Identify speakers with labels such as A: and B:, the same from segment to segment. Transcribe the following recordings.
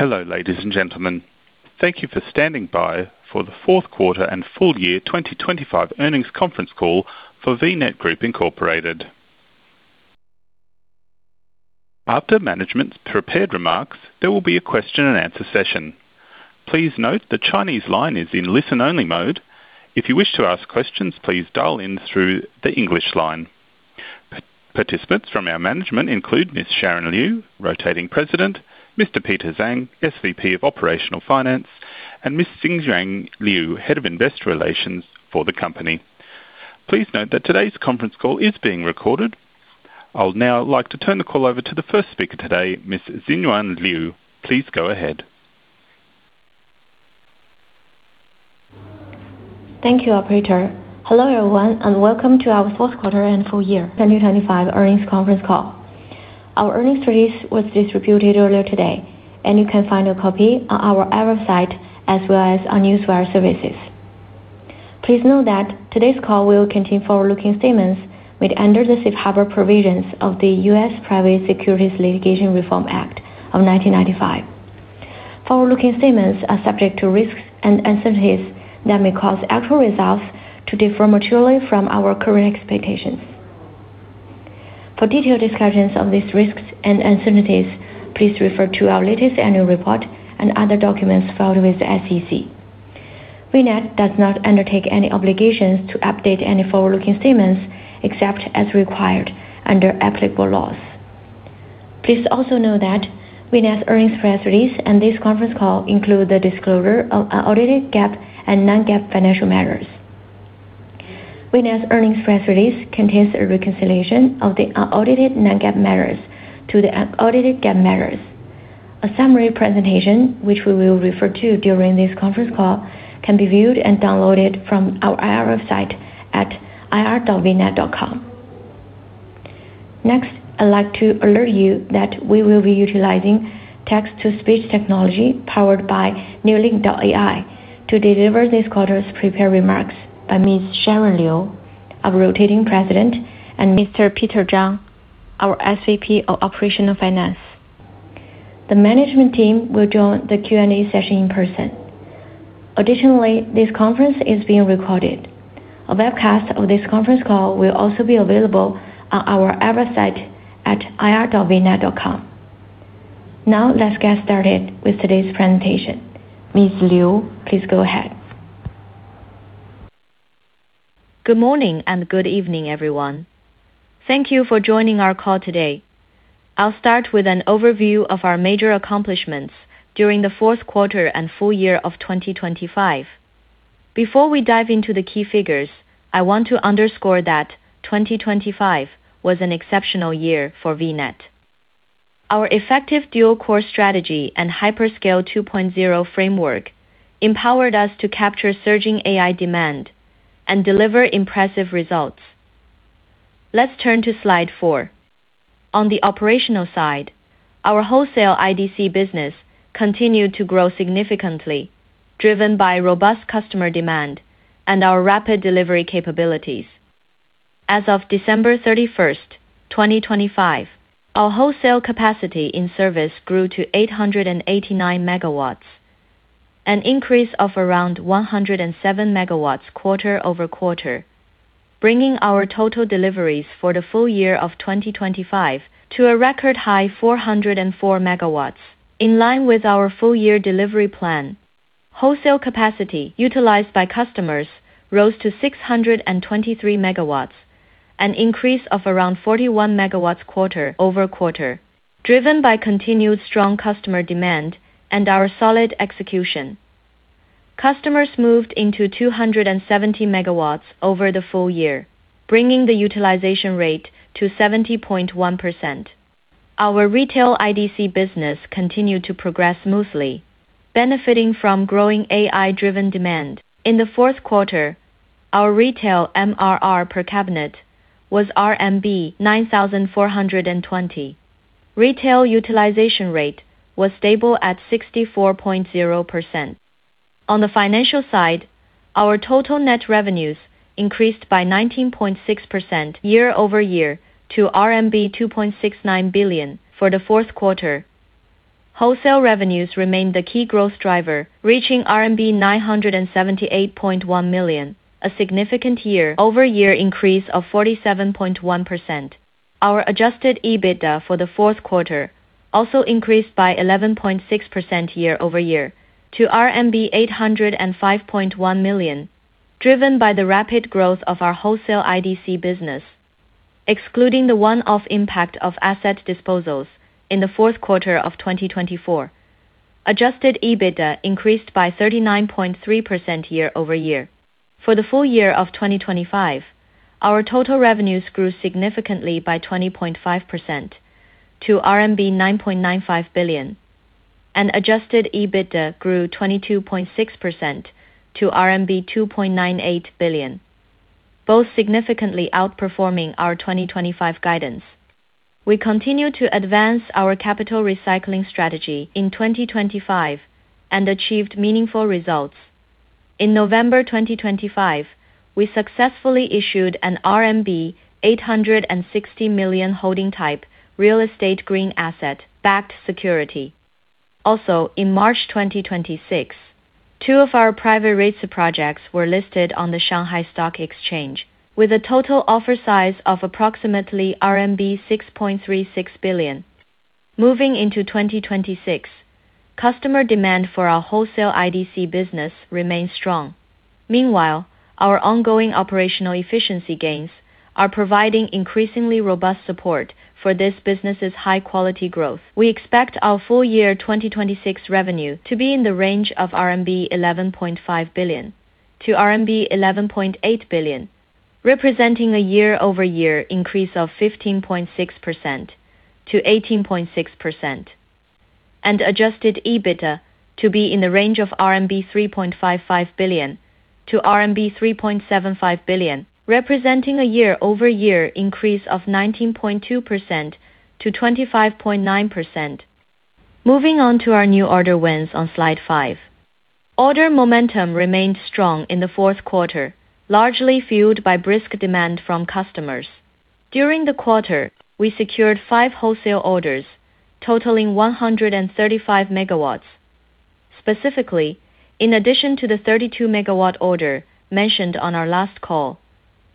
A: Hello, ladies and gentlemen. Thank you for standing by for the Q4 and full year 2025 earnings conference call for VNET Group Incorporated. After management's prepared remarks, there will be a question and answer session. Please note the Chinese line is in listen-only mode. If you wish to ask questions, please dial in through the English line. Participants from our management include Ms. Sharon Xiao Liu, Rotating President, Mr. Peter Zhihua Zhang, SVP of Operational Finance, and Ms. Xinyuan Liu, Head of Investor Relations for the company. Please note that today's conference call is being recorded. I'll now like to turn the call over to the first speaker today, Ms. Xinyuan Liu. Please go ahead.
B: Thank you, operator. Hello, everyone, and welcome to our Q4 and full year 2025 earnings conference call. Our earnings release was distributed earlier today, and you can find a copy on our IR site as well as on newswire services. Please note that today's call will contain forward-looking statements made under the safe harbor provisions of the U.S. Private Securities Litigation Reform Act of 1995. Forward-looking statements are subject to risks and uncertainties that may cause actual results to differ materially from our current expectations. For detailed discussions of these risks and uncertainties, please refer to our latest annual report and other documents filed with the SEC. VNET does not undertake any obligations to update any forward-looking statements, except as required under applicable laws. Please also know that VNET's earnings press release and this conference call include the disclosure of audited GAAP and non-GAAP financial measures. VNET's earnings press release contains a reconciliation of the audited non-GAAP measures to the audited GAAP measures. A summary presentation, which we will refer to during this conference call, can be viewed and downloaded from our IR website at ir.vnet.com. Next, I'd like to alert you that we will be utilizing text-to-speech technology powered by NewLink.ai to deliver this quarter's prepared remarks by Ms. Sharon Xiao Liu, our Rotating President, and Mr. Peter Zhihua Zhang, our SVP of Operational Finance. The management team will join the Q&A session in person. Additionally, this conference is being recorded. A webcast of this conference call will also be available on our IR site at ir.vnet.com. Now, let's get started with today's presentation. Ms. Liu, please go ahead.
C: Good morning and good evening, everyone. Thank you for joining our call today. I'll start with an overview of our major accomplishments during the Q4 and full year of 2025. Before we dive into the key figures, I want to underscore that 2025 was an exceptional year for VNET. Our effective dual-core strategy and Hyperscale 2.0 framework empowered us to capture surging AI demand and deliver impressive results. Let's turn to slide four. On the operational side, our wholesale IDC business continued to grow significantly, driven by robust customer demand and our rapid delivery capabilities. As of December 31, 2025, our wholesale capacity in service grew to 889 MW, an increase of around 107 MW quarter-over-quarter, bringing our total deliveries for the full year of 2025 to a record high 404 MW, in line with our full year delivery plan. Wholesale capacity utilized by customers rose to 623 MW, an increase of around 41 MW quarter-over-quarter, driven by continued strong customer demand and our solid execution. Customers moved into 270 MW over the full year, bringing the utilization rate to 70.1%. Our retail IDC business continued to progress smoothly, benefiting from growing AI-driven demand. In the Q4, our retail MRR per cabinet was RMB 9,420. Retail utilization rate was stable at 64.0%. On the financial side, our total net revenues increased by 19.6% year-over-year to CNY 2.69 billion for the Q4. Wholesale revenues remained the key growth driver, reaching RMB 978.1 million, a significant year-over-year increase of 47.1%. Our adjusted EBITDA for the Q4 also increased by 11.6% year-over-year to RMB 805.1 million, driven by the rapid growth of our wholesale IDC business. Excluding the one-off impact of asset disposals in the Q4 of 2024, adjusted EBITDA increased by 39.3% year-over-year. For the full year of 2025, our total revenues grew significantly by 20.5% to RMB 9.95 billion, and adjusted EBITDA grew 22.6% to RMB 2.98 billion, both significantly outperforming our 2025 guidance. We continue to advance our capital recycling strategy in 2025 and achieved meaningful results. In November 2025, we successfully issued an RMB 860 million holding type real estate green asset-backed security. Also, in March 2026, two of our private REITs projects were listed on the Shanghai Stock Exchange with a total offer size of approximately RMB 6.36 billion. Moving into 2026, customer demand for our wholesale IDC business remains strong. Meanwhile, our ongoing operational efficiency gains are providing increasingly robust support for this business's high-quality growth. We expect our full year 2026 revenue to be in the range of 11.5 billion-11.8 billion RMB, representing a year-over-year increase of 15.6%-18.6%. Adjusted EBITDA to be in the range of 3.55 billion-3.75 billion RMB, representing a year-over-year increase of 19.2%-25.9%. Moving on to our new order wins on slide five. Order momentum remained strong in the Q4, largely fueled by brisk demand from customers. During the quarter, we secured five wholesale orders totaling 135 MW. Specifically, in addition to the 32 MW order mentioned on our last call,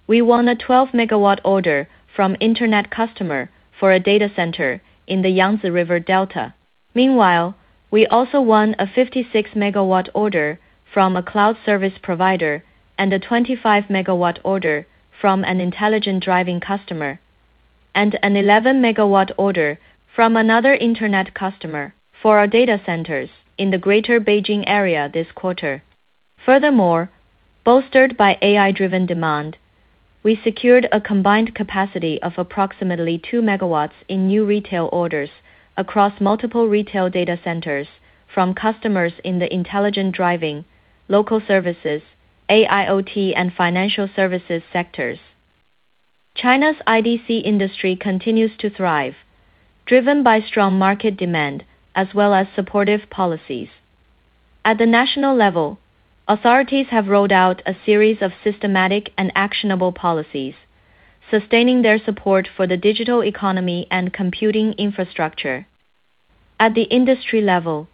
C: we won a 12 MW order from internet customer for a data center in the Yangtze River Delta. Meanwhile, we also won a 56 MW order from a cloud service provider, and a 25 MW order from an intelligent driving customer, and an 11 MW order from another internet customer for our data centers in the Greater Beijing area this quarter. Furthermore, bolstered by AI-driven demand, we secured a combined capacity of approximately 2 MW in new retail orders across multiple retail data centers from customers in the intelligent driving, local services, AIOT, and financial services sectors. China's IDC industry continues to thrive, driven by strong market demand as well as supportive policies. At the national level, authorities have rolled out a series of systematic and actionable policies, sustaining their support for the digital economy and computing infrastructure. At the industry level,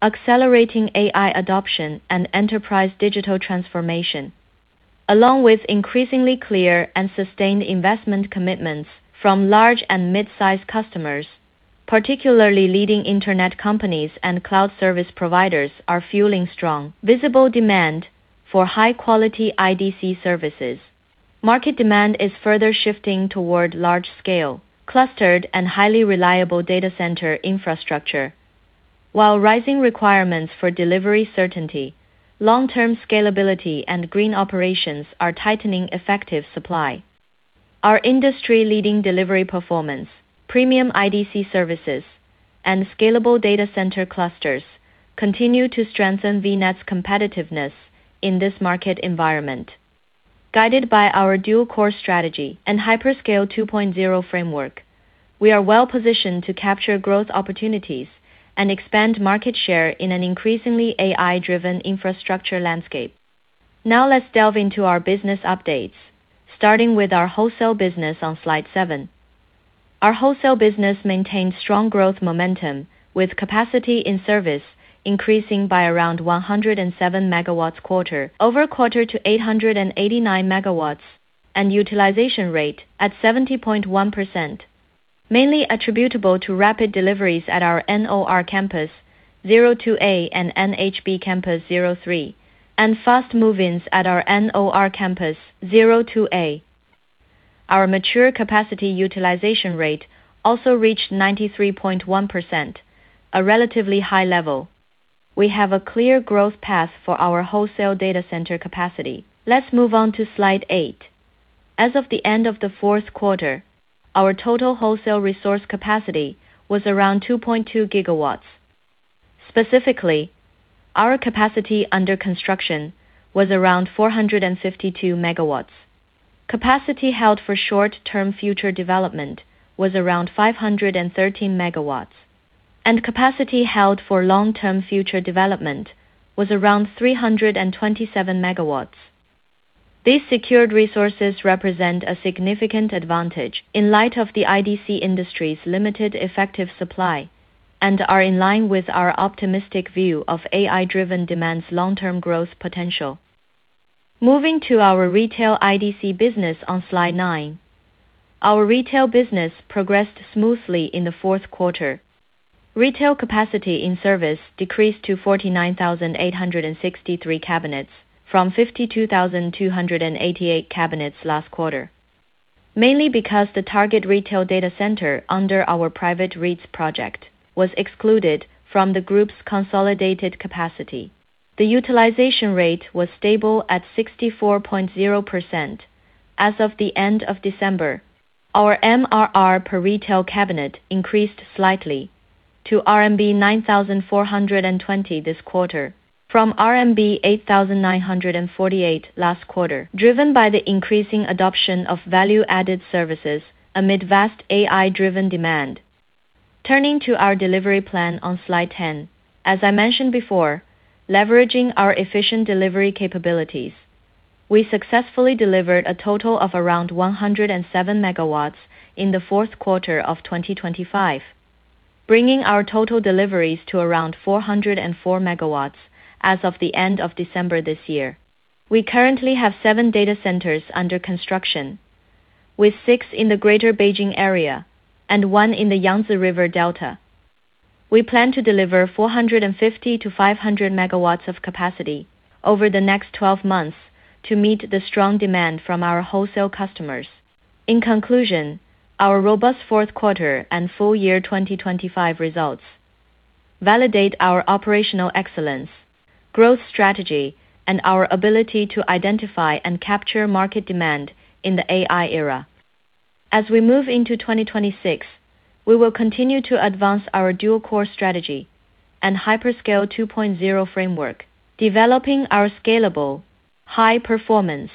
C: accelerating AI adoption and enterprise digital transformation, along with increasingly clear and sustained investment commitments from large and mid-size customers, particularly leading internet companies and cloud service providers, are fueling strong visible demand for high-quality IDC services. Market demand is further shifting toward large scale, clustered, and highly reliable data center infrastructure. While rising requirements for delivery certainty, long-term scalability, and green operations are tightening effective supply. Our industry-leading delivery performance, premium IDC services, and scalable data center clusters continue to strengthen VNET's competitiveness in this market environment. Guided by our dual-core strategy and Hyperscale 2.0 framework, we are well-positioned to capture growth opportunities and expand market share in an increasingly AI-driven infrastructure landscape. Now let's delve into our business updates, starting with our wholesale business on slide seven. Our wholesale business maintained strong growth momentum, with capacity in service increasing by around 107 MW quarter-over-quarter to 889 MW, and utilization rate at 70.1%, mainly attributable to rapid deliveries at our NOR Campus 02A and NHB Campus 03, and fast move-ins at our NOR Campus 02A. Our mature capacity utilization rate also reached 93.1%, a relatively high level. We have a clear growth path for our wholesale data center capacity. Let's move on to slide eight. As of the end of the Q4, our total wholesale resource capacity was around 2.2 GW. Specifically, our capacity under construction was around 452 MW. Capacity held for short-term future development was around 513 MW, and capacity held for long-term future development was around 327 MW. These secured resources represent a significant advantage in light of the IDC industry's limited effective supply and are in line with our optimistic view of AI-driven demand's long-term growth potential. Moving to our retail IDC business on slide nine. Our retail business progressed smoothly in the Q4. Retail capacity in service decreased to 49,863 cabinets from 52,288 cabinets last quarter. Mainly because the target retail data center under our private REITs project was excluded from the group's consolidated capacity. The utilization rate was stable at 64.0%. As of the end of December, our MRR per retail cabinet increased slightly to RMB 9,420 this quarter from RMB 8,948 last quarter. Driven by the increasing adoption of value-added services amid vast AI-driven demand. Turning to our delivery plan on slide 10. As I mentioned before, leveraging our efficient delivery capabilities, we successfully delivered a total of around 107 MW in the Q4 of 2025, bringing our total deliveries to around 404 MW as of the end of December this year. We currently have seven data centers under construction, with six in the Greater Beijing area and one in the Yangtze River Delta. We plan to deliver 450 MW-500 MW of capacity over the next 12 months to meet the strong demand from our wholesale customers. In conclusion, our robust Q4 and full year 2025 results validate our operational excellence, growth strategy, and our ability to identify and capture market demand in the AI era. As we move into 2026, we will continue to advance our dual-core strategy and Hyperscale 2.0 framework, developing our scalable, high-performance,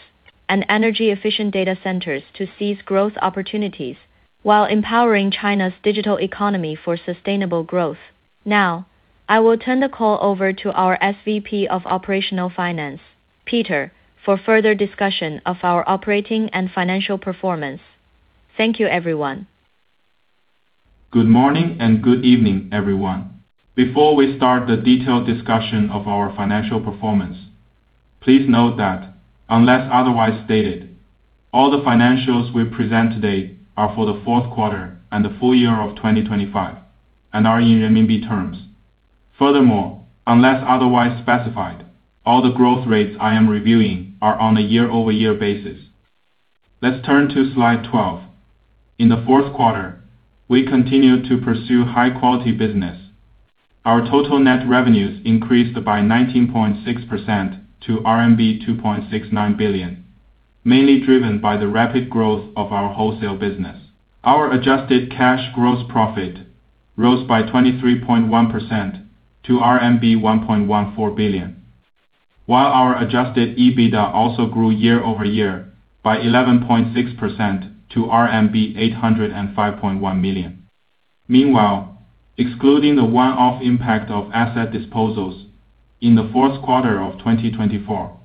C: and energy-efficient data centers to seize growth opportunities while empowering China's digital economy for sustainable growth. Now, I will turn the call over to our SVP of Operational Finance, Peter, for further discussion of our operating and financial performance. Thank you, everyone.
D: Good morning and good evening, everyone. Before we start the detailed discussion of our financial performance, please note that unless otherwise stated, all the financials we present today are for the Q4 and the full year of 2025 and are in renminbi terms. Furthermore, unless otherwise specified, all the growth rates I am reviewing are on a year-over-year basis. Let's turn to slide 12. In the Q4, we continued to pursue high-quality business. Our total net revenues increased by 19.6% to RMB 2.69 billion, mainly driven by the rapid growth of our wholesale business. Our adjusted cash gross profit rose by 23.1% to RMB 1.14 billion, while our adjusted EBITDA also grew year over year by 11.6% to RMB 805.1 million. Meanwhile, excluding the one-off impact of asset disposals in the Q4 of 2024,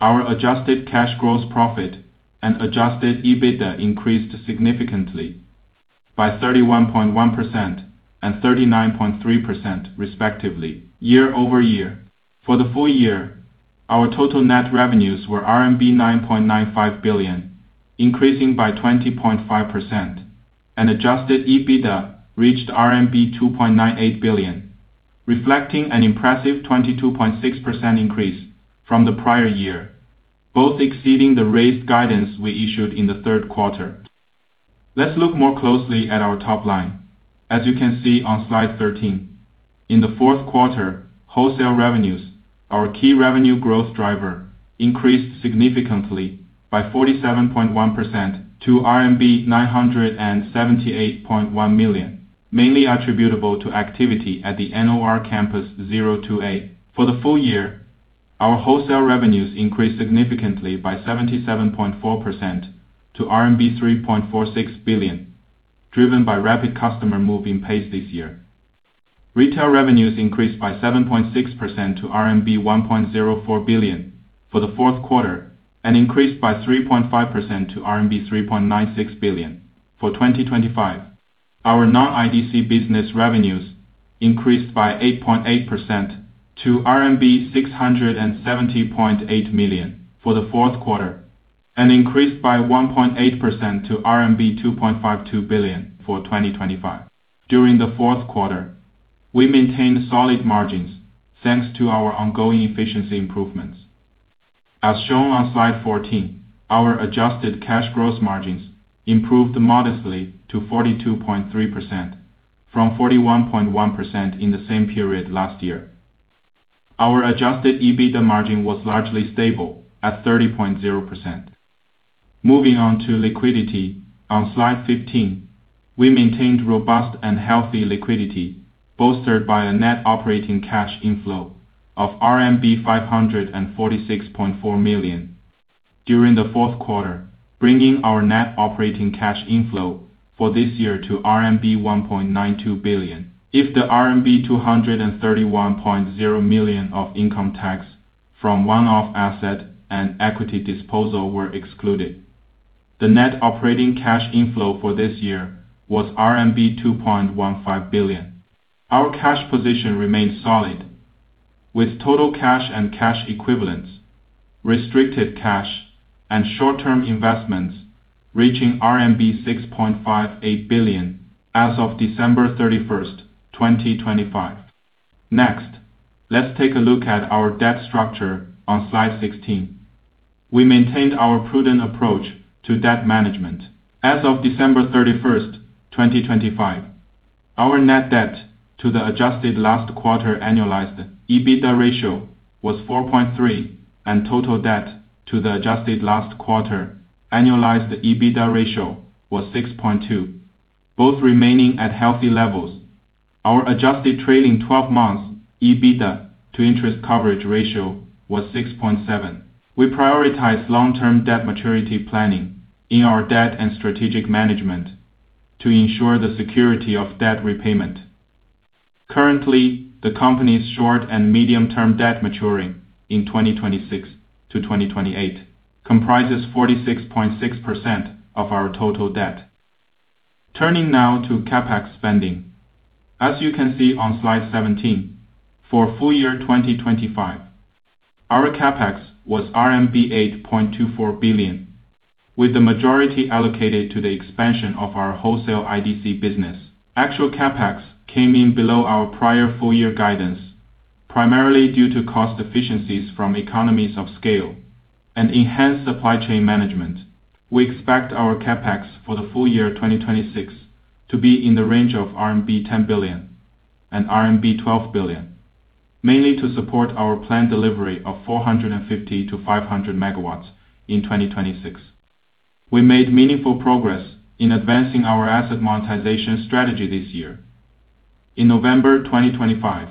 D: our adjusted cash gross profit and adjusted EBITDA increased significantly by 31.1% and 39.3% respectively year-over-year. For the full year, our total net revenues were RMB 9.95 billion, increasing by 20.5%, and adjusted EBITDA reached RMB 2.98 billion, reflecting an impressive 22.6% increase from the prior year, both exceeding the raised guidance we issued in the Q3. Let's look more closely at our top line. As you can see on slide 13, in the Q4, wholesale revenues, our key revenue growth driver, increased significantly by 47.1% to RMB 978.1 million, mainly attributable to activity at the NOR Campus 02A. For the full year, our wholesale revenues increased significantly by 77.4% to RMB 3.46 billion, driven by rapid customer move-in pace this year. Retail revenues increased by 7.6% to RMB 1.04 billion for the Q4 and increased by 3.5% to RMB 3.96 billion for 2025. Our non-IDC business revenues increased by 8.8% to RMB 670.8 million for the Q4 and increased by 1.8% to RMB 2.52 billion for 2025. During the Q4, we maintained solid margins thanks to our ongoing efficiency improvements. As shown on slide 14, our adjusted cash gross margins improved modestly to 42.3% from 41.1% in the same period last year. Our adjusted EBITDA margin was largely stable at 30.0%. Moving on to liquidity on slide 15, we maintained robust and healthy liquidity, bolstered by a net operating cash inflow of RMB 546.4 million during the Q4, bringing our net operating cash inflow for this year to RMB 1.92 billion. If the RMB 231.0 million of income tax from one-off asset and equity disposal were excluded, the net operating cash inflow for this year was RMB 2.15 billion. Our cash position remains solid, with total cash and cash equivalents, restricted cash, and short-term investments reaching RMB 6.58 billion as of December 31, 2025. Next, let's take a look at our debt structure on slide 16. We maintained our prudent approach to debt management. As of December 31, 2025, our net debt to the adjusted last quarter annualized EBITDA ratio was 4.3, and total debt to the adjusted last quarter annualized EBITDA ratio was 6.2, both remaining at healthy levels. Our adjusted trailing 12 months EBITDA to interest coverage ratio was 6.7. We prioritize long-term debt maturity planning in our debt and strategic management to ensure the security of debt repayment. Currently, the company's short and medium-term debt maturing in 2026-2028 comprises 46.6% of our total debt. Turning now to CapEx spending. As you can see on slide 17, for full year 2025, our CapEx was RMB 8.24 billion, with the majority allocated to the expansion of our wholesale IDC business. Actual CapEx came in below our prior full year guidance, primarily due to cost efficiencies from economies of scale and enhanced supply chain management. We expect our CapEx for the full year 2026 to be in the range of 10 billion-12 billion RMB, mainly to support our planned delivery of 450 MW-500 MW in 2026. We made meaningful progress in advancing our asset monetization strategy this year. In November 2025,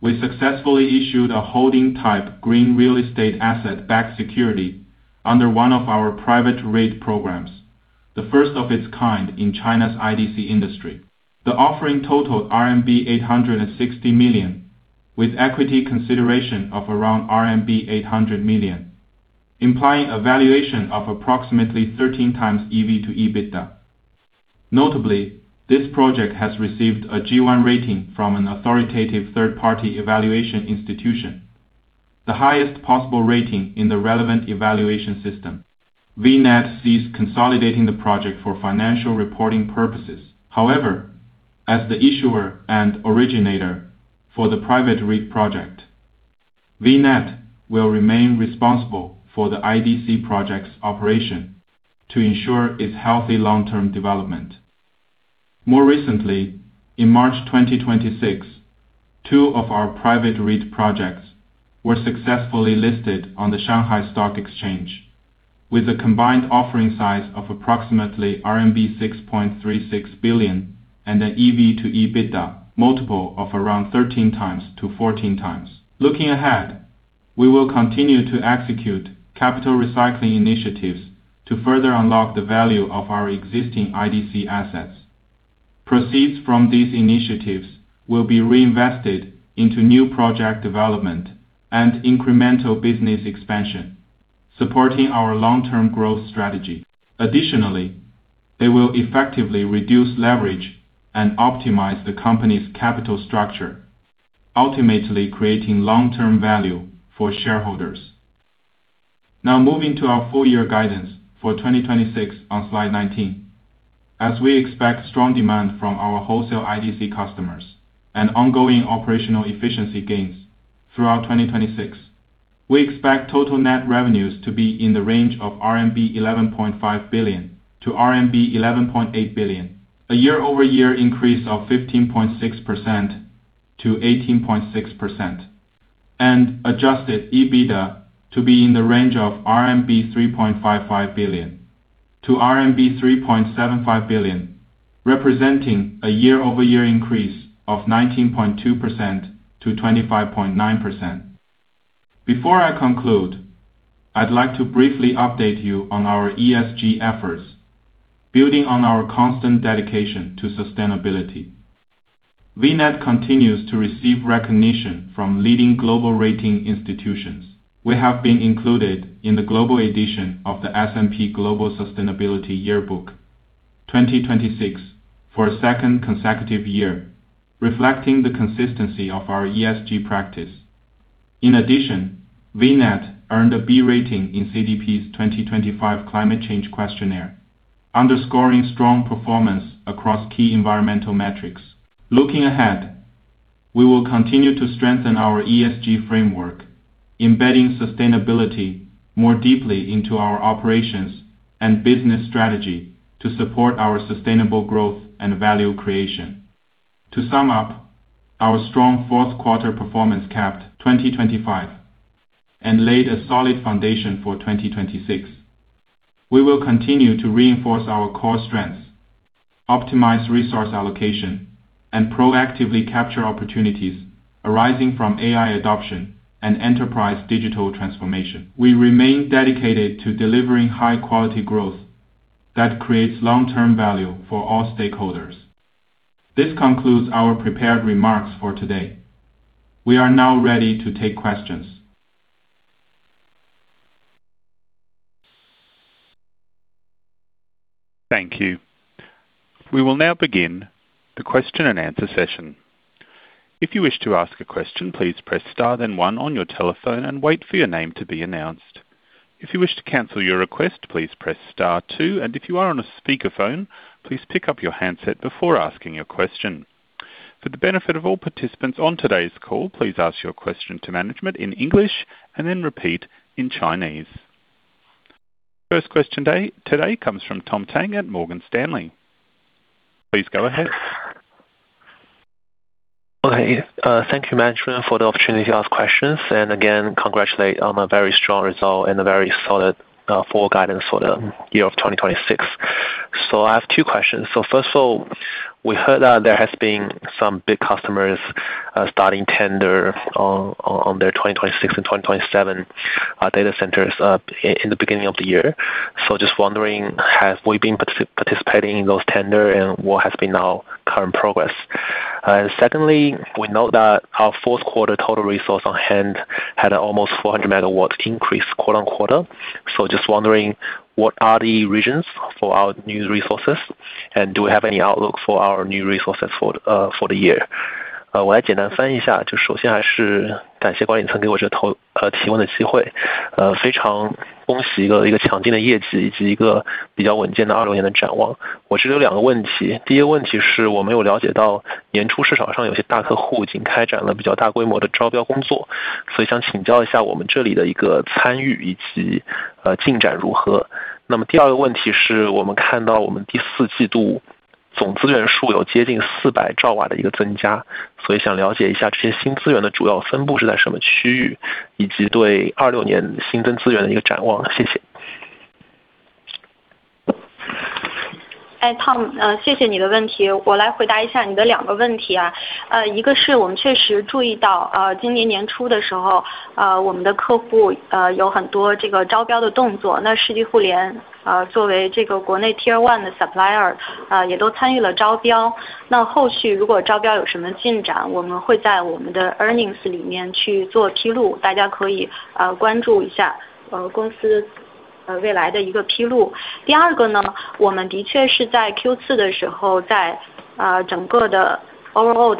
D: we successfully issued a holding type green real estate asset-backed security under one of our private REIT programs, the first of its kind in China's IDC industry. The offering totaled RMB 860 million with equity consideration of around RMB 800 million, implying a valuation of approximately 13x EV to EBITDA. Notably, this project has received a G1 rating from an authoritative third-party evaluation institution, the highest possible rating in the relevant evaluation system. VNET is consolidating the project for financial reporting purposes. However, as the issuer and originator for the private REIT project, VNET will remain responsible for the IDC project's operation to ensure its healthy long-term development. More recently, in March 2026, two of our private REIT projects were successfully listed on the Shanghai Stock Exchange, with a combined offering size of approximately RMB 6.36 billion and an EV to EBITDA multiple of around 13x-14x. Looking ahead, we will continue to execute capital recycling initiatives to further unlock the value of our existing IDC assets. Proceeds from these initiatives will be reinvested into new project development and incremental business expansion, supporting our long-term growth strategy. Additionally, they will effectively reduce leverage and optimize the company's capital structure, ultimately creating long-term value for shareholders. Now moving to our full year guidance for 2026 on slide 19. As we expect strong demand from our wholesale IDC customers and ongoing operational efficiency gains throughout 2026, we expect total net revenues to be in the range of 11.5 billion-11.8 billion RMB, a year-over-year increase of 15.6%-18.6%. Adjusted EBITDA to be in the range of 3.55 billion-3.75 billion RMB, representing a year-over-year increase of 19.2%-25.9%. Before I conclude, I'd like to briefly update you on our ESG efforts, building on our constant dedication to sustainability. VNET Group continues to receive recognition from leading global rating institutions. We have been included in the global edition of the S&P Global Sustainability Yearbook 2026 for a second consecutive year, reflecting the consistency of our ESG practice. In addition, VNET earned a B rating in CDP's 2025 climate change questionnaire, underscoring strong performance across key environmental metrics. Looking ahead, we will continue to strengthen our ESG framework, embedding sustainability more deeply into our operations and business strategy to support our sustainable growth and value creation. To sum up, our strong Q4 performance capped 2025 and laid a solid foundation for 2026. We will continue to reinforce our core strengths, optimize resource allocation, and proactively capture opportunities arising from AI adoption and enterprise digital transformation. We remain dedicated to delivering high-quality growth that creates long-term value for all stakeholders. This concludes our prepared remarks for today. We are now ready to take questions.
A: Thank you. We will now begin the question and answer session. If you wish to ask a question, please press star then one on your telephone and wait for your name to be announced. If you wish to cancel your request, please press star two. If you are on a speakerphone, please pick up your handset before asking your question. For the benefit of all participants on today's call, please ask your question to management in English and then repeat in Chinese. First question today comes from Tom Tang at Morgan Stanley. Please go ahead.
E: Thank you management for the opportunity to ask questions. Again, congratulate on a very strong result and a very solid full guidance for the year of 2026. I have two questions. First of all, we heard that there has been some big customers starting tender on their 2026 and 2027 data centers in the beginning of the year. Just wondering have we been participating in those tender and what has been our current progress? Secondly, we know that our Q4 total resource on hand had almost 400 MW increase quarter-on-quarter. Just wondering what are the regions for our new resources? Do we have any outlook for our new resources for the year?
C: Tom，谢谢你的问题，我来回答一下你的两个问题。一个是我们确实注意到，今年年初的时候，我们的客户有很多这个招标的动作，那世纪互联作为这个国内 Tier 1的 supplier，也都参与了招标，那后续如果招标有什么进展，我们会在我们的 earnings 里面去做披露，大家可以关注一下公司未来的一个披露。第二个呢，我们的确是在 Q4 的时候，在整个的 overall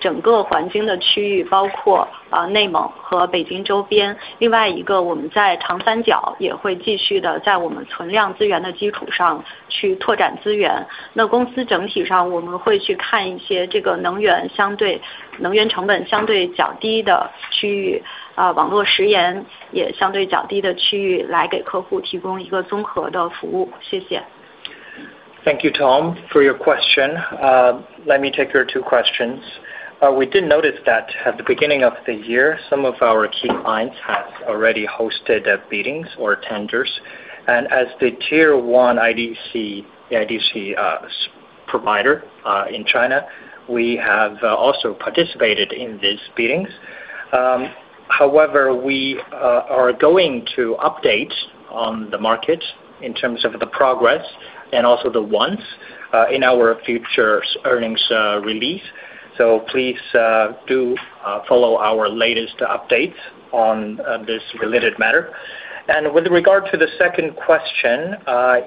C: 的资源上有一些比较大的进展，那这个增量主要集中在这个环京地区，那一个是在乌兰察布地区，还有一个就是在北京周边的地区。那未来的话，公司在资源上，第一个我们还是会看整个环京的区域，包括内蒙和北京周边。另外一个我们在长三角也会继续地在我们存量资源的基础上去拓展资源。那公司整体上我们会去看一些这个能源相对，能源成本相对较低的区域，网络时延也相对较低的区域，来给客户提供一个综合的服务。谢谢。
B: Thank you Tom for your question. Let me take your two questions. We did notice that at the beginning of the year, some of our key clients have already hosted the meetings or tenders. As the Tier 1 IDC service provider in China, we have also participated in these meetings. However, we are going to update on the market in terms of the progress and also the wins in our future earnings release. Please do follow our latest updates on this related matter. With regard to the second question,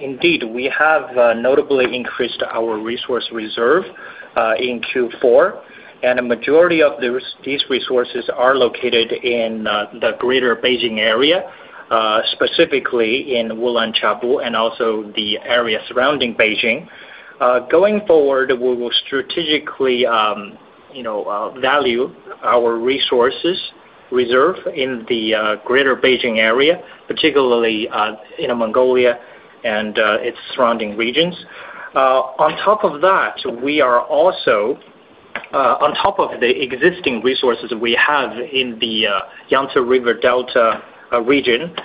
B: indeed we have notably increased our resource reserve in Q4, and a majority of these resources are located in the Greater Beijing Area, specifically in Ulanqab and also the area surrounding Beijing. Going forward, we will strategically, you know, value our resources reserve in the Greater Beijing Area, particularly Inner Mongolia and its surrounding regions. On top of that, we are also, on top of the existing resources we have in the Yangtze River Delta Region,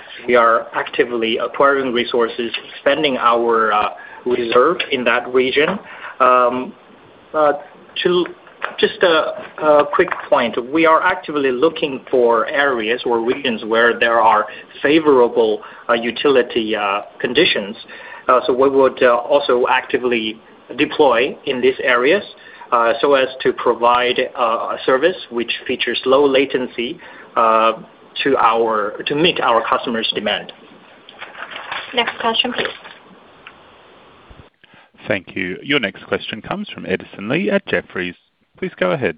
B: actively acquiring resources, expanding our reserve in that region. Just a quick point, we are actively looking for areas or regions where there are favorable utility conditions, so we would also actively deploy in these areas so as to provide a service which features low latency to meet our customers demand.
C: Next question please.
A: Thank you. Your next question comes from Edison Lee at Jefferies. Please go ahead.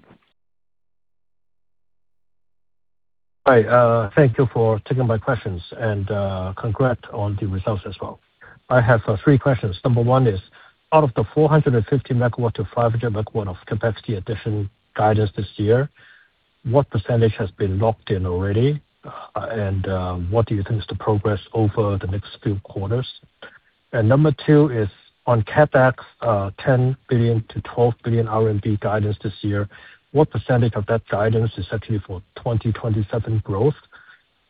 F: Hi, thank you for taking my questions and congrats on the results as well. I have three questions. Number one is: out of the 450 MW-500 MW of capacity addition guidance this year, what percentage has been locked in already? What do you think is the progress over the next few quarters? Number two is on CapEx, RMCNY 10 billion-CNY 12 billion guidance this year, what percentage of that guidance is actually for 2027 growth?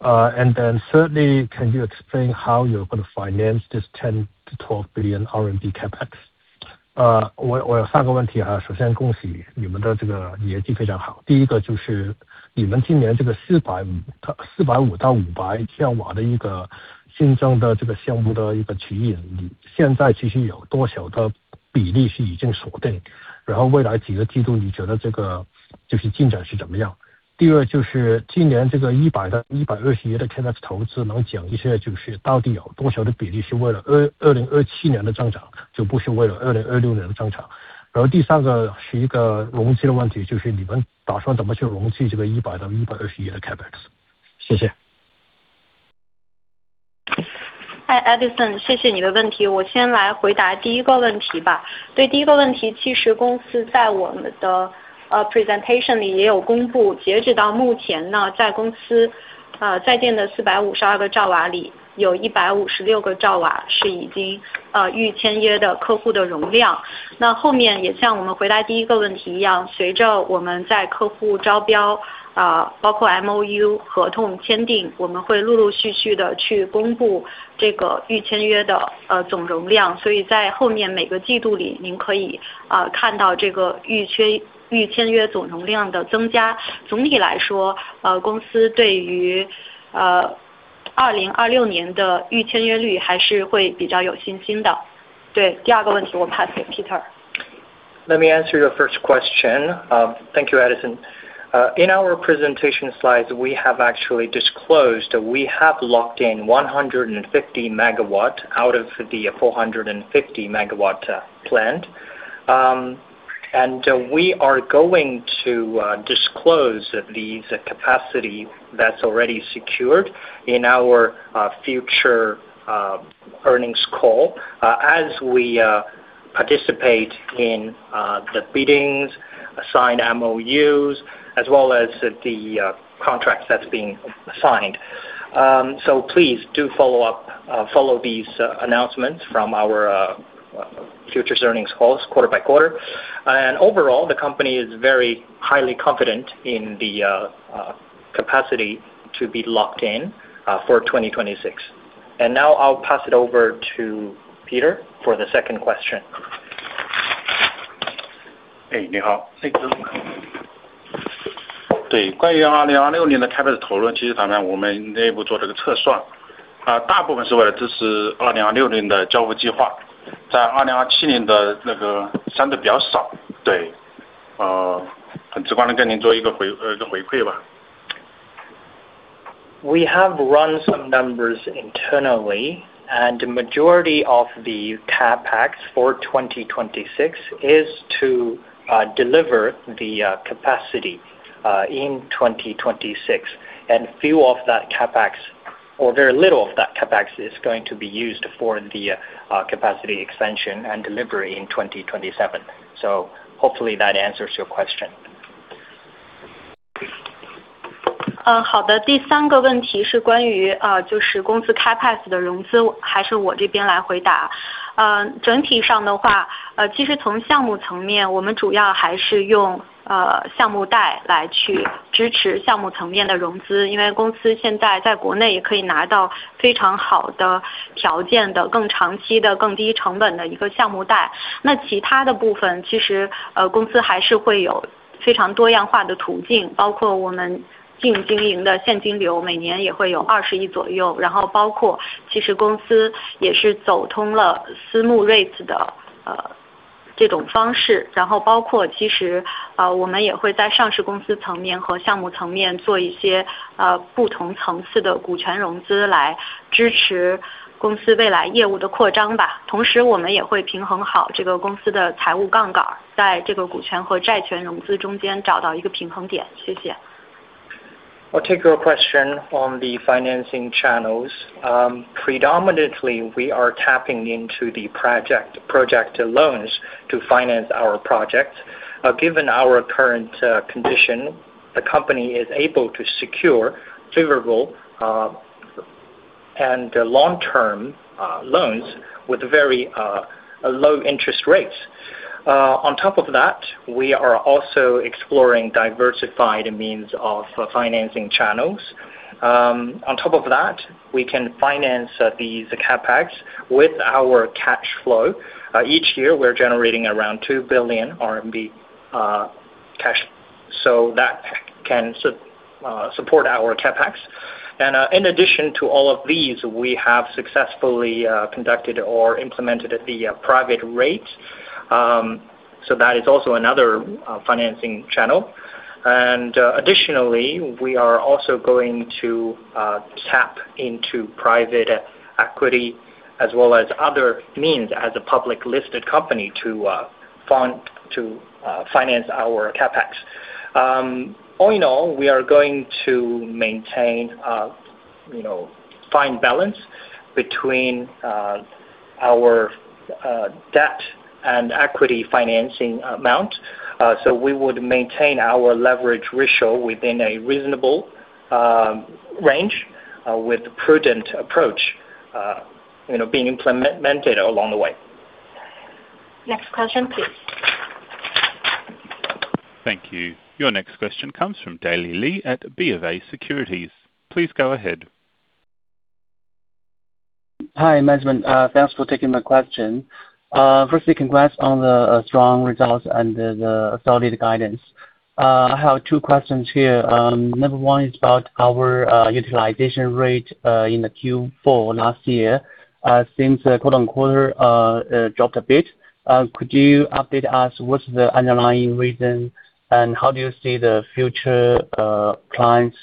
F: Thirdly, can you explain how you're going to finance this 10 billion-12 billion RMB CapEx? 我有三个问题，首先恭喜你们的这个业绩非常好，第一个就是你们今年这个450-500兆瓦的一个新增的这个项目的
C: Hi Edison，谢谢你的问题，我先来回答第一个问题吧。对第一个问题，其实公司在我们的presentation里也有公布，截止到目前，在公司在建的452个兆瓦里，有156个兆瓦是已经预签约的客户的容量，那后面也像我们回答第一个问题一样，随着我们在客户招标，包括MOU合同签订，我们会陆陆续续地去公布这个预签约的总容量，所以在后面每个季度里您可以看到这个预签约总容量的增加。总体来说，公司对于2026年的预签约率还是会比较有信心的。对，第二个问题我pass给Peter。
B: Let me answer your first question. Thank you, Edison Lee. In our presentation slides we have actually disclosed we have locked in 150 MW out of the 450 MW, planned. We are going to disclose these capacity that's already secured in our future earnings call, as we participate in the biddings, assigned MOUs, as well as the contracts that's being signed. Please do follow these announcements from our future earnings calls quarter by quarter. Overall, the company is very highly confident in the capacity to be locked in, for 2026. Now I'll pass it over to Peter Zhang for the second question.
D: 你好。对，关于2026年的CapEx讨论，其实咱们内部做这个测算，大部分是为了支持2026年的交付计划，在2027年的那个相对比较少。对，很直观地跟您做一个回馈吧。
B: We have run some numbers internally, and majority of the CapEx for 2026 is to deliver the capacity in 2026. Few of that CapEx or very little of that CapEx is going to be used for the capacity expansion and delivery in 2027. Hopefully that answers your question. I'll take your question on the financing channels. Predominantly, we are tapping into the project loans to finance our project. Given our current condition, the company is able to secure favorable and long term loans with very low interest rates. On top of that, we are also exploring diversified means of financing channels. On top of that, we can finance these CapEx with our cash flow. Each year, we're generating around 2 billion RMB cash, so that can support our CapEx. In addition to all of these, we have successfully conducted or implemented the private REIT, so that is also another financing channel. Additionally, we are also going to tap into private equity as well as other means as a public listed company to finance our CapEx. All in all, we are going to maintain a, you know, fine balance between our debt and equity financing amount. So we would maintain our leverage ratio within a reasonable range with prudent approach, you know, being implemented along the way.
C: Next question please.
A: Thank you. Your next question comes from Daley Li at BofA Securities. Please go ahead.
G: Hi management, thanks for taking the question. Firstly, congrats on the strong results and the solid guidance. I have two questions here. Number one is about our utilization rate in the Q4 last year, since quarter-on-quarter dropped a bit. Could you update us on what's the underlying reason and how do you see the future clients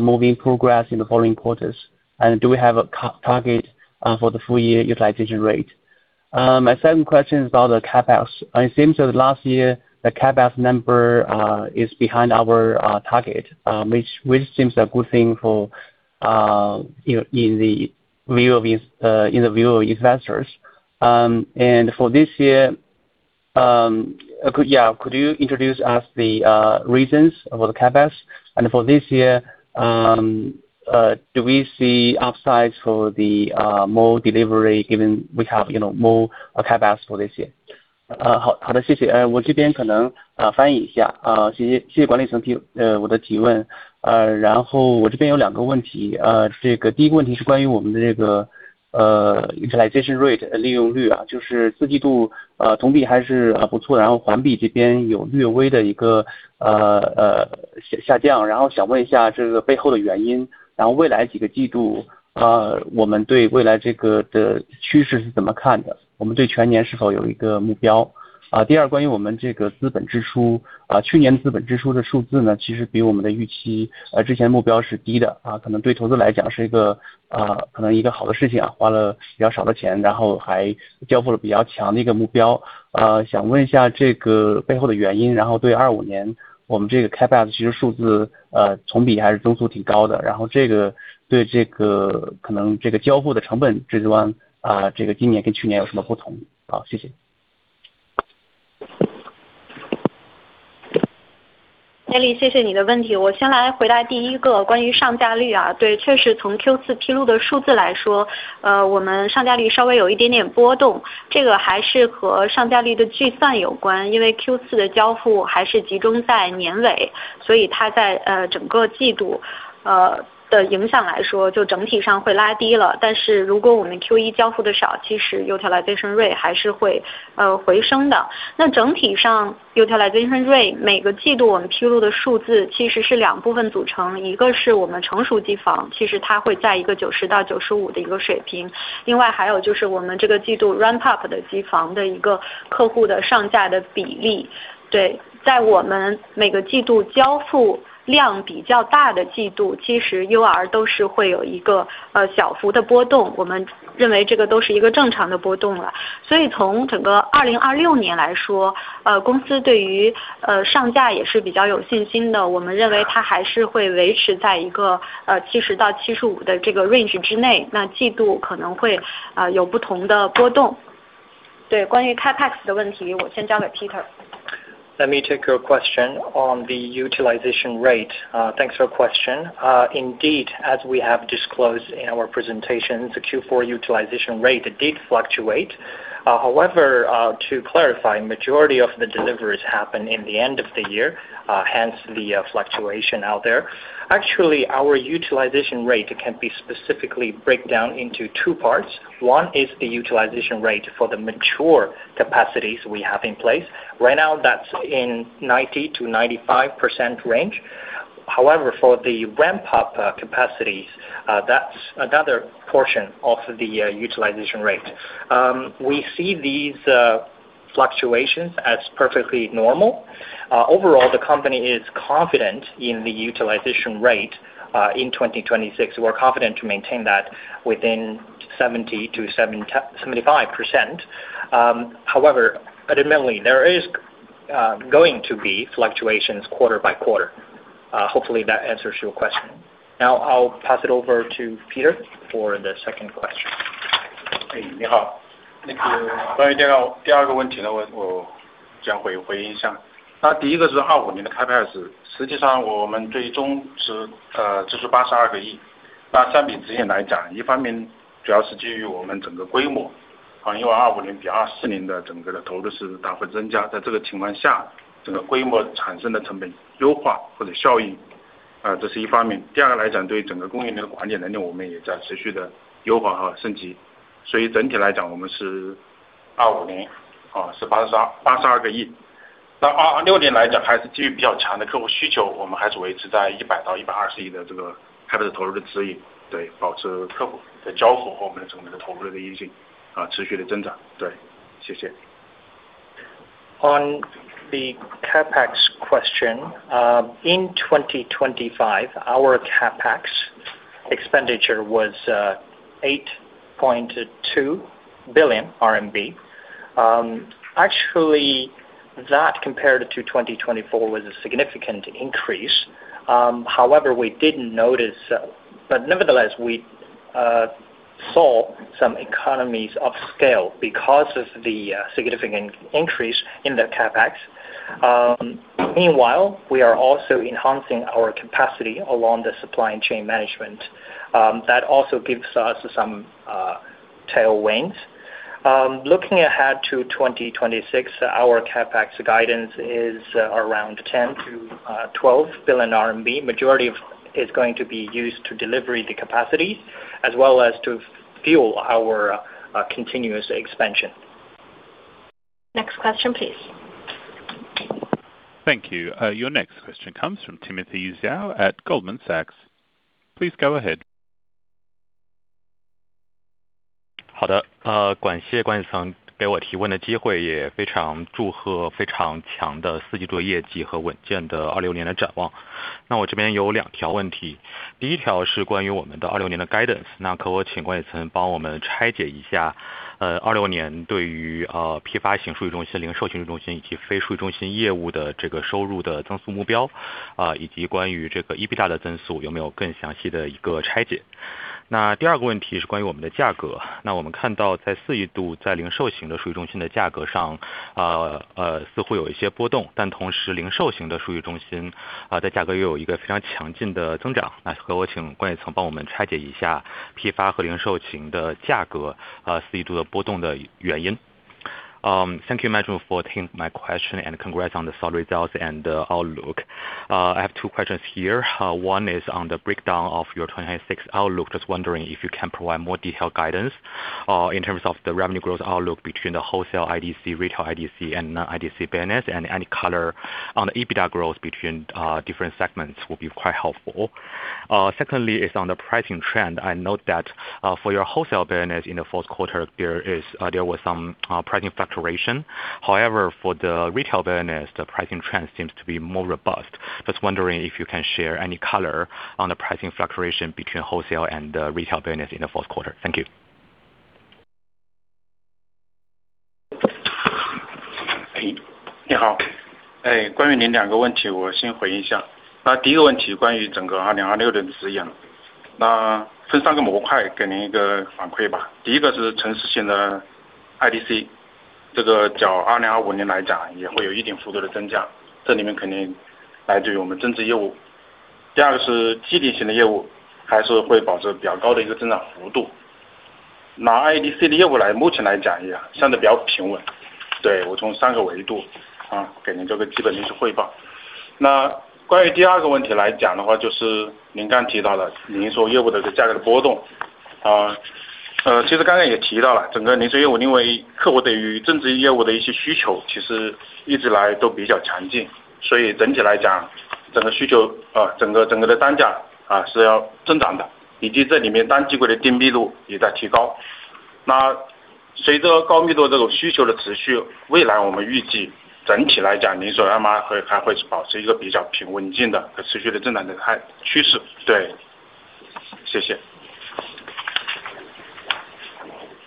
G: moving progress in the following quarters? And do we have a target for the full year utilization rate? My second question is about the CapEx. It seems that last year the CapEx number is behind our target, which seems a good thing, in the view of investors. For this year, do we see upsides for the more delivery given we have, you know, more CapEx for this year?
C: Daley，谢谢你的问题，我先来回答第一个关于上架率，对，确实从Q4披露的数字来说，我们上架率稍微有一点点波动，这个还是和上架率的计算有关，因为Q4的交付还是集中在年尾，所以它在整个季度的影响来说，就整体上会拉低了。但是如果我们Q1交付的少，其实utilization rate还是会回升的。那整体上utilization rate每个季度我们披露的数字其实是两部分组成，一个是我们成熟机房，其实它会在一个90到95的一个水平。另外还有就是我们这个季度ramp
B: Let me take your question on the utilization rate. Thanks for your question. Indeed, as we have disclosed in our presentation, the Q4 utilization rate did fluctuate. However, to clarify, majority of the deliveries happened in the end of the year, hence the fluctuation out there. Actually, our utilization rate can be specifically broken down into two parts. One is the utilization rate for the mature capacities we have in place. Right now that's in the 90%-95% range. However, for the ramp up, capacities, that's another portion of the utilization rate. We see these fluctuations as perfectly normal. Overall, the company is confident in the utilization rate, in 2026, we're confident to maintain that within 70%-75%. However, admittedly, there is going to be fluctuations quarter by quarter. Hopefully that answers your question. Now I'll pass it over to Peter for the second question.
D: 你好。
C: 你好。
D: 关于第二个问题，我将会回应一下。那第一个是2025年的CapEx，实际上我们最终是支出82亿。那相比之前来讲，一方面主要是基于我们整个规模，因为2025年比2024年的整个的投资是大幅增加，在这个情况下，整个规模产生的成本优化或者效应，这是一方面。第二来讲，对于整个供应链的管控能力，我们也在持续的优化和升级。所以整体来讲，我们是2025年是82亿。那2026年来讲，还是基于比较强的客户需求，我们还是维持在100到120亿的这个CapEx投入的指引，保持客户的交付和我们整个的投入的意愿，持续的增长。谢谢。
B: On the CapEx question, in 2025, our CapEx expenditure was 8.2 billion RMB. Actually, that compared to 2024 was a significant increase. However, nevertheless we saw some economies of scale because of the significant increase in the CapEx. Meanwhile, we are also enhancing our capacity along the supply chain management, that also gives us some tailwinds. Looking ahead to 2026, our CapEx guidance is around 10 billion-12 billion RMB, majority of is going to be used to deliver the capacities as well as to fuel our continuous expansion.
C: Next question please.
A: Thank you. Your next question comes from Timothy Zhao at Goldman Sachs. Please go ahead.
H: 好的，感谢管理层给我提问的机会，也非常祝贺非常强的四季度的业绩和稳健的2026年的展望。那我这边有两条问题，第一条是关于我们的26年的guidance，那可我请管理层帮我们拆解一下，26年对于批发型数据中心、零售型数据中心以及非数据中心业务的这个收入的增速目标，以及关于这个EBITDA的增速有没有更详细的一个拆解。那第二个问题是关于我们的价格，那我们看到在四一度，在零售型的数据中心的价格上，似乎有一些波动，但同时零售型的数据中心在价格又有一个非常强劲的增长，那可我请管理层帮我们拆解一下批发和零售型的价格，四一度的波动的原因。Thank you management for taking my question and congrats on the solid results and outlook. I have two questions here, one is on the breakdown of your 2026 outlook, just wondering if you can provide more detailed guidance in terms of the revenue growth outlook between the wholesale IDC, retail IDC and non-IDC business. Any color on the EBITDA growth between different segments will be quite helpful. Secondly, is on the pricing trend. I note that for your wholesale business in the Q4 there was some pricing fluctuation. However, for the retail business, the pricing trend seems to be more robust. Just wondering if you can share any color on the pricing fluctuation between wholesale and retail business in the Q4. Thank you.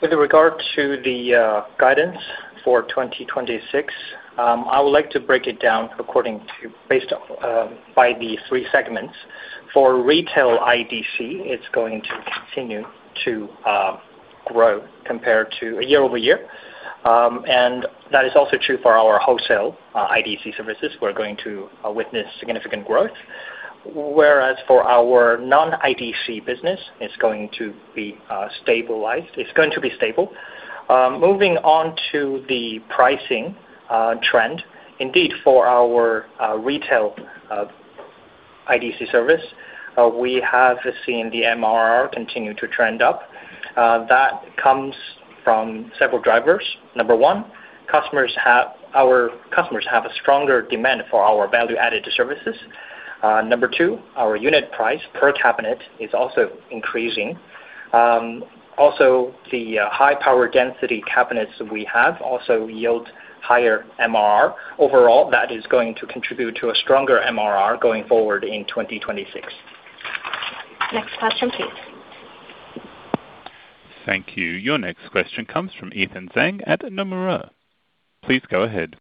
B: With regard to the guidance for 2026, I would like to break it down according to the three segments. For retail IDC, it's going to continue to grow compared to year-over-year. That is also true for our wholesale IDC services. We're going to witness significant growth. Whereas for our non-IDC business, it's going to be stable. Moving on to the pricing trend, indeed for our retail IDC service, we have seen the MR continue to trend up, that comes from several drivers. Number one, our customers have a stronger demand for our value-added services. Number two, our unit price per cabinet is also increasing. Also the high power density cabinets we have also yield higher MR. Overall that is going to contribute to a stronger MR going forward in 2026. Next question please.
A: Thank you. Your next question comes from Ethan Zhang at Nomura. Please go ahead.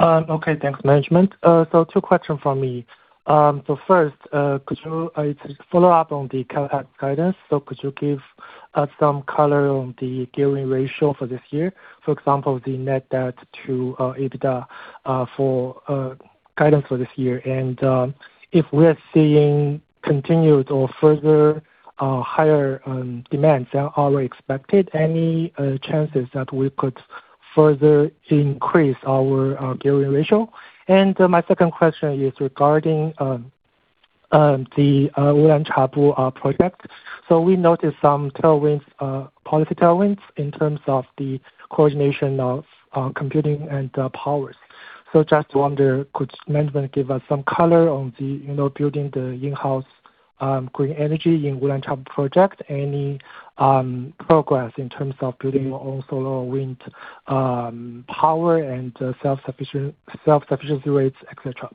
I: Okay, thanks management. Two questions from me. First, it's a follow-up on the guidance, so could you give us some color on the gearing ratio for this year? For example, the net debt to EBITDA for guidance for this year. And if we are seeing continued or further higher demands than expected, any chances that we could further increase our gearing ratio? And my second question is regarding the Ulanqab project. We noticed some tailwinds, policy tailwinds in terms of the coordination of computing and power. Just wonder, could management give us some color on the, you know, building the in-house green energy in the Ulanqab project, any progress in terms of building your own solar, wind power and self-sufficiency rates etc.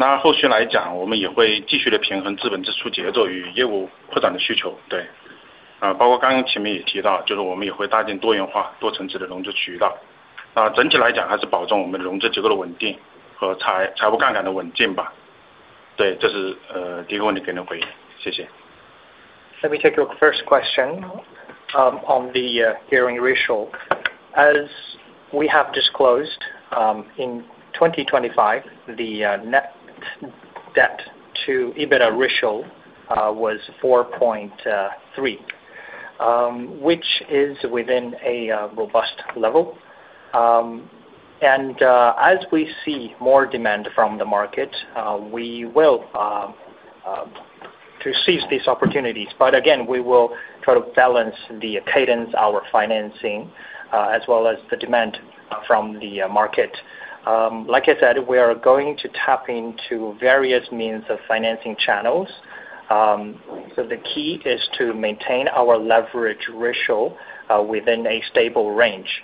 B: Let me take your first question on the leverage ratio. As we have disclosed, in 2025, the net debt to EBITDA ratio was 4.3, which is within a robust level. As we see more demand from the market, we will seize these opportunities. Again, we will try to balance the cadence, our financing, as well as the demand from the market. Like I said, we are going to tap into various means of financing channels. The key is to maintain our leverage ratio within a stable range.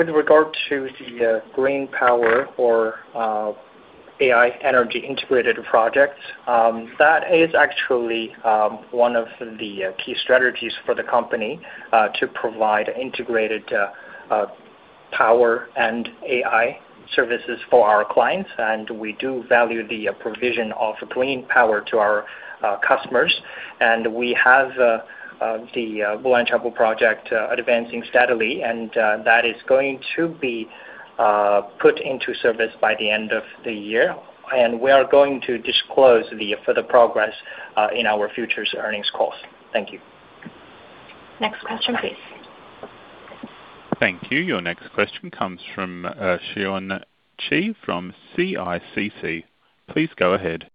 B: With regard to the green power or AI energy integrated projects, that is actually one of the key strategies for the company to provide integrated power and AI services for our clients. We do value the provision of clean power to our customers. We have the Ulanqab project advancing steadily, and that is going to be put into service by the end of the year, and we are going to disclose the further progress in our future earnings calls. Thank you. Next question, please.
A: Thank you. Your next question comes from Sheng Chen from CICC. Please go ahead.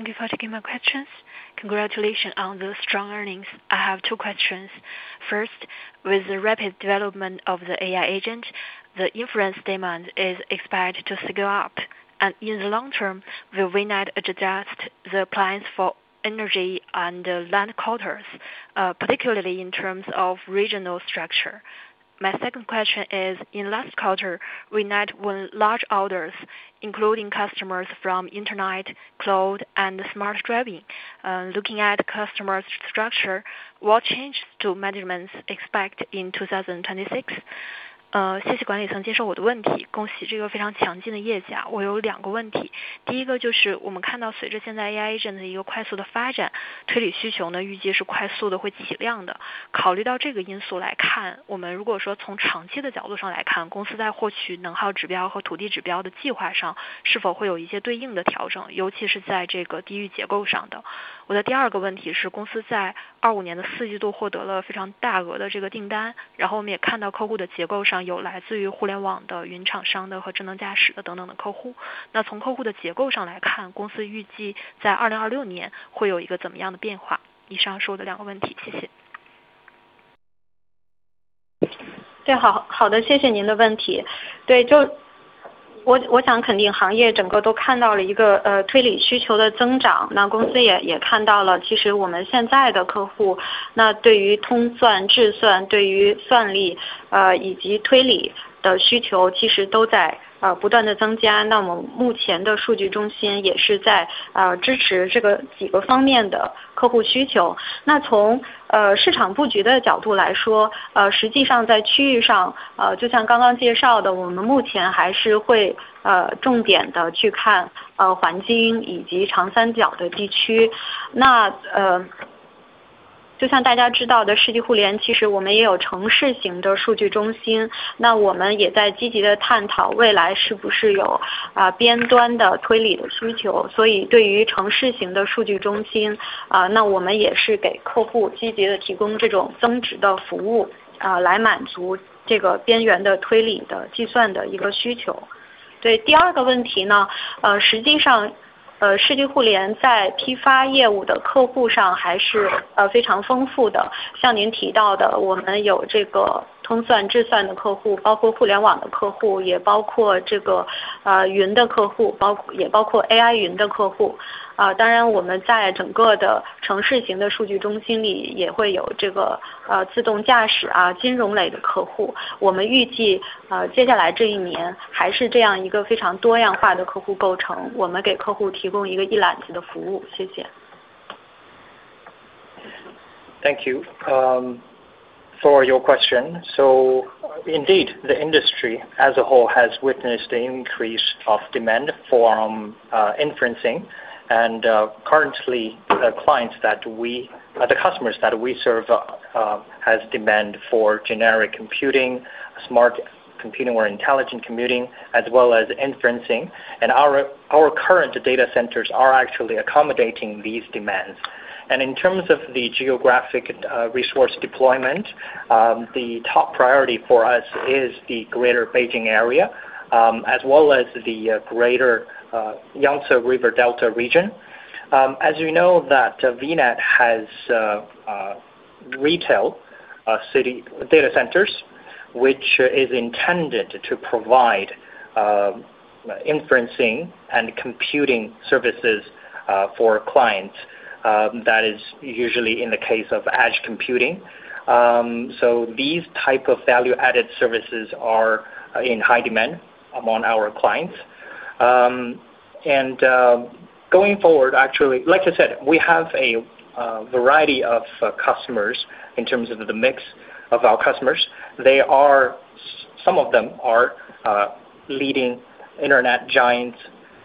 J: Thank you for taking my questions. Congratulations on the strong earnings. I have two questions. First, with the rapid development of the AI agent, the inference demand is expected to go up, and in the long term, will you not adjust the plans for energy and land quotas, particularly in terms of regional structure? My second question is, in last quarter, you net won large orders, including customers from internet, cloud and smart driving. Looking at customer structure, what changes do management expect in 2026? 谢谢管理层接受我的问题。恭喜这个非常强劲的业绩。我有两个问题。第一个就是我们看到随着现在AI
C: 第二个问题，实际上世纪互联在批发业务的客户上还是非常丰富的。像您提到的，我们有通算、智算的客户，包括互联网的客户，也包括云的客户，也包括AI云的客户。当然我们在整个的城市型的数据中心里也会有自动驾驶、金融类的客户。我们预计接下来这一年还是这样一个非常多样化的客户构成，我们给客户提供一个一揽子的服务。谢谢。
B: Thank you for your question. Indeed, the industry as a whole has witnessed an increase of demand for inferencing. Currently the customers that we serve has demand for generic computing, smart computing or intelligent computing as well as inferencing. Our current data centers are actually accommodating these demands. In terms of the geographic resource deployment, the top priority for us is the Greater Beijing Area, as well as the Greater Yangtze River Delta region. As you know that VNET has retail city data centers, which is intended to provide inferencing and computing services for clients. That is usually in the case of edge computing. These type of value-added services are in high demand among our clients. Going forward, actually, like I said, we have a variety of customers in terms of the mix of our customers. Some of them are leading internet giants,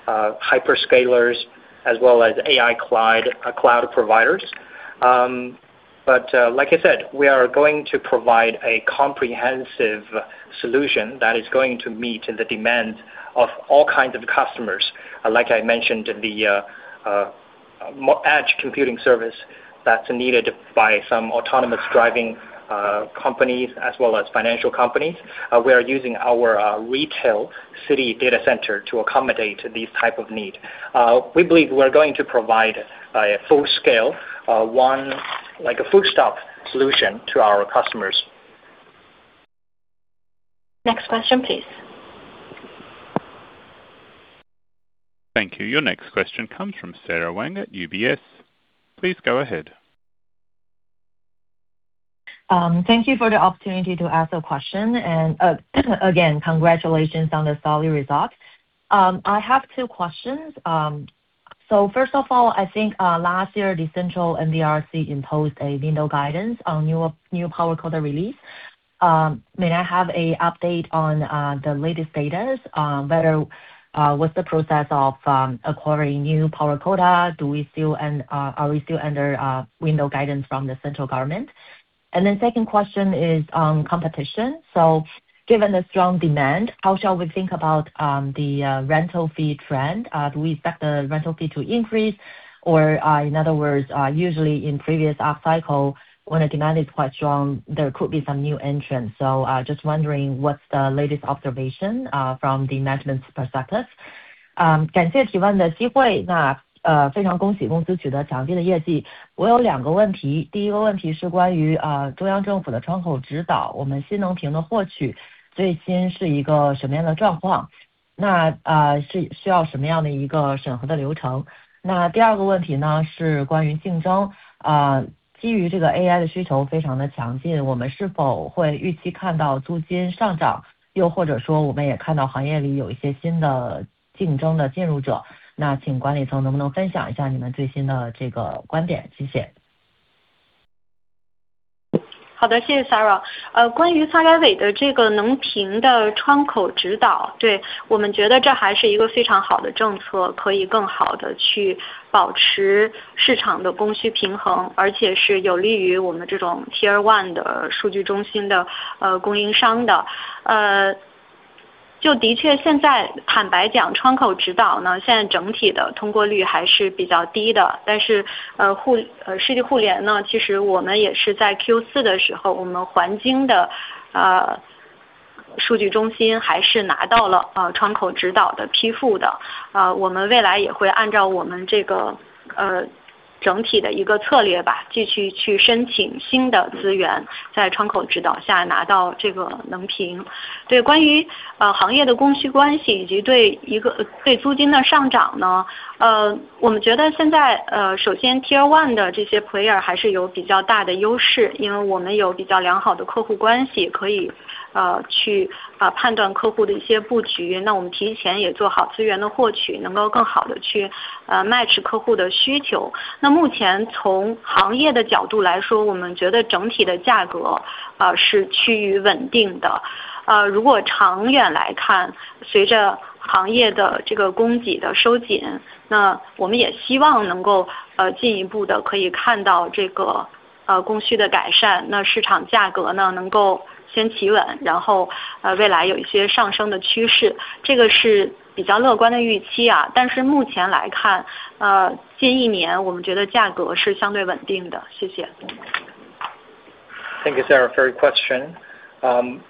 B: hyperscalers as well as AI cloud providers. Like I said, we are going to provide a comprehensive solution that is going to meet the demand of all kinds of customers. Like I mentioned, the edge computing service that's needed by some autonomous driving companies as well as financial companies. We are using our retail IDC to accommodate these type of need. We believe we are going to provide a full-scale, one-stop solution to our customers. Next question, please.
A: Thank you. Your next question comes from Sara Wang at UBS. Please go ahead.
K: Thank you for the opportunity to ask a question. Again, congratulations on the solid results. I have two questions. First of all, I think last year, the central NDRC imposed a window guidance on new power quota release. May I have an update on the latest data? Whether with the process of acquiring new power quota, are we still under window guidance from the central government? Second question is on competition. Given the strong demand, how shall we think about the rental fee trend? Do we expect the rental fee to increase? Or, in other words, usually in previous up cycle when the demand is quite strong, there could be some new entrants. Just wondering what's the latest observation from the management's perspectives.
C: Thank you, Sara.
B: Thank you, Sarah, for your question.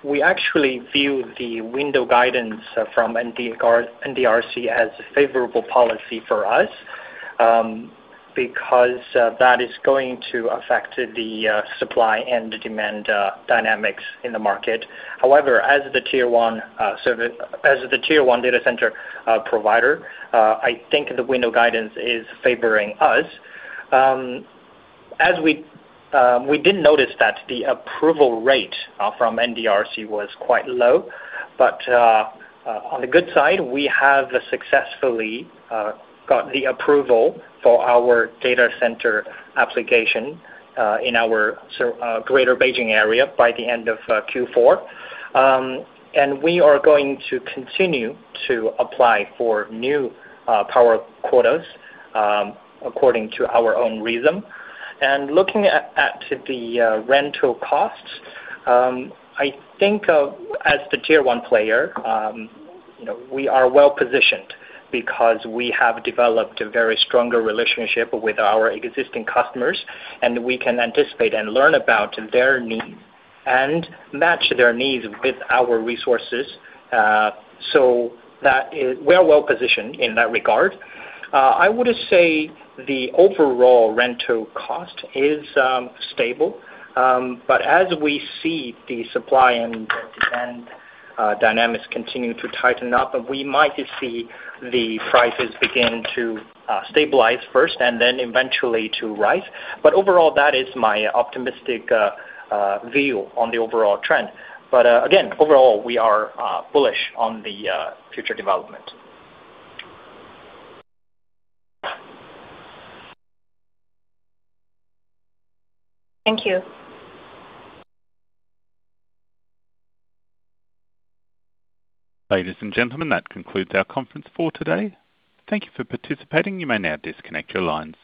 B: We actually view the window guidance from NDRC as a favorable policy for us, because that is going to affect the supply and demand dynamics in the market. However, as the Tier 1 data center provider, I think the window guidance is favoring us. As we did notice that the approval rate from NDRC was quite low. On the good side, we have successfully got the approval for our data center application in our Greater Beijing area by the end of Q4. We are going to continue to apply for new power quotas according to our own rhythm. Looking at the rental costs, I think, as the Tier 1 player, you know, we are well-positioned because we have developed a very stronger relationship with our existing customers, and we can anticipate and learn about their needs and match their needs with our resources. That is. We're well positioned in that regard. I would say the overall rental cost is stable. But as we see the supply and demand dynamics continuing to tighten up, we might see the prices begin to stabilize first and then eventually to rise. Overall, that is my optimistic view on the overall trend. Again, overall, we are bullish on the future development.
K: Thank you.
A: Ladies and gentlemen, that concludes our conference for today. Thank you for participating. You may now disconnect your lines.